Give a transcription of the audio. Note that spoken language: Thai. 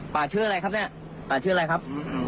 ปากเชื่ออะไรครับนี่ปากเชื่ออะไรครับ